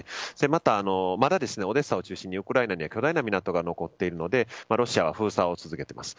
あと、まだオデーサを中心に巨大な港が残っているのでロシアは封鎖を続けています。